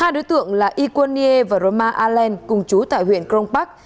hai đối tượng là iquan nie và roma allen cùng chú tại huyện kronpark